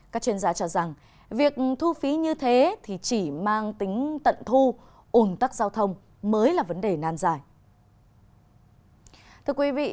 các chuyên gia cho rằng việc thu phí như thế thì chỉ mang tính tận thu ồn tắc giao thông mới là vấn đề nàn dài